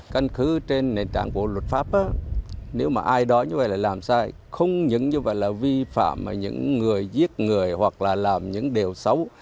căn cứ trên nền tảng của luật pháp nếu mà ai đó như vậy là làm sai không những như vậy là vi phạm những người giết người hoặc là làm những điều xấu